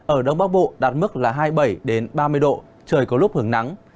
ở đông bắc bộ đạt mức là hai mươi bảy ba mươi độ trời có lúc hưởng nắng